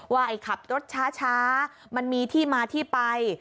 ไอ้ขับรถช้ามันมีที่มาที่ไป